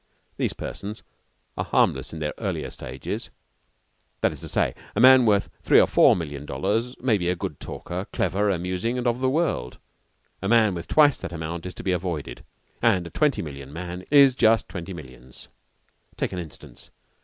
These persons are harmless in their earlier stages that is to say, a man worth three or four million dollars may be a good talker, clever, amusing, and of the world; a man with twice that amount is to be avoided, and a twenty million man is just twenty millions. Take an instance.